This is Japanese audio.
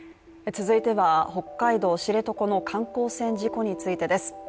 続いては、北海道知床の観光船事故についてです